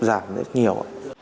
đây đây đây